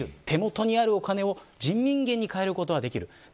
手元にあるお金を人民元に変えることはできる。